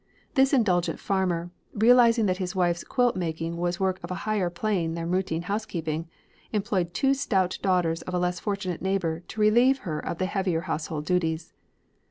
This indulgent farmer, realizing that his wife's quilt making was work of a higher plane than routine housekeeping, employed two stout daughters of a less fortunate neighbour to relieve her of the heavier household duties.